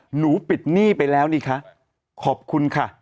หนูปิดหนี้ไปแล้วนี่คะขอบคุณค่ะ